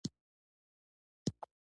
د وجود هره یوه حصه به ترېنه ځان بیلوي